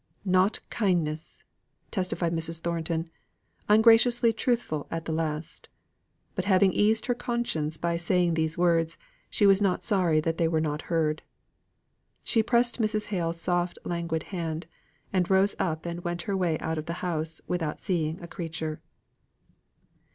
"Not kindness!" testified Mrs. Thornton, ungraciously truthful to the last. But having eased her conscience by saying these words, she was not sorry that they were not heard. She pressed Mrs. Hale's soft languid hand; and rose up and went her way out of the house without seeing a creature.